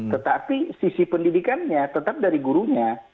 tetapi sisi pendidikannya tetap dari gurunya